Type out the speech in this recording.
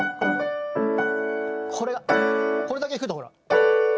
これがこれだけ弾くとほら。